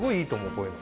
こういうの。